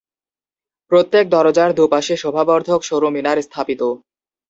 প্রত্যেক দরজার দু পাশে শোভাবর্ধক সরু মিনার স্থাপিত।